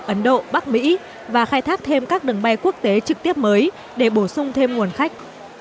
ấn độ bắc mỹ và khai thác thêm các đường bay quốc tế trực tiếp mới để bổ sung thêm nguồn khách